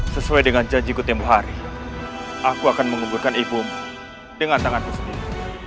sesuai dengan janjiku temu hari aku akan menguburkan ibumu dengan tanganku sendiri